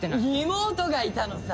妹がいたのさ。